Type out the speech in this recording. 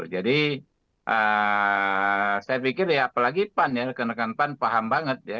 jadi saya pikir ya apalagi pan ya rekan rekan pan paham banget ya